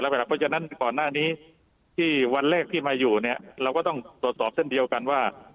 เพราะฉะนั้นก่อนหน้านี้ที่วันแรกที่มาอยู่เนี่ยเราก็ต้องตรวจสอบเช่นเดียวกันว่า